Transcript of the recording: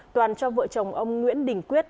toàn cho vợ chồng ông nguyễn đình quyết